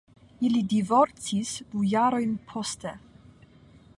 Ili divorcis du jarojn poste.